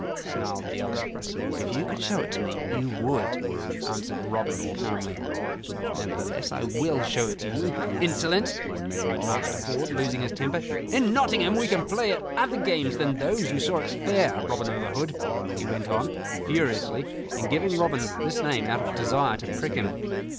snarled the other. "If you could show it to me, you would," answered Robin, calmly. "Nevertheless, I will show it to you, insolent," cried Master Ford, losing his temper. "In Nottingham we can play at other games than those you saw at the Fair, Robin o' th' Hood," he went on, furiously, and giving Robin this name out of desire to prick him.